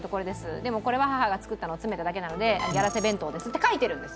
でもこれは母が作ったのを詰めただけなので「ヤラセ弁当です」って書いてるんです。